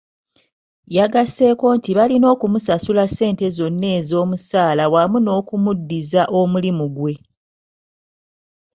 Yagasseeko nti balina okumusasula ssente zonna ez'omusaala wamu n'okumuddiza omulimu gwe.